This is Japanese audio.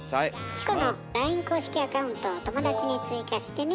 チコのＬＩＮＥ公式アカウントを「友だち」に追加してね。